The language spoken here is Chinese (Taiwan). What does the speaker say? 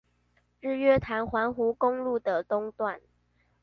日月潭環湖公路的東段